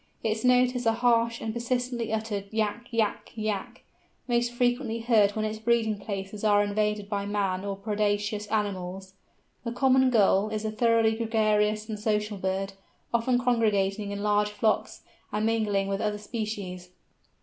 Its note is a harsh and persistently uttered yak yak yak, most frequently heard when its breeding places are invaded by man or predaceous animals. The Common Gull is a thoroughly gregarious and social bird, often congregating in large flocks, and mingling with other species.